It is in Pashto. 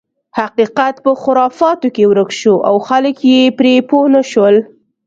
حقیقت په خرافاتو کې ورک شو او خلک یې پرې پوه نه شول.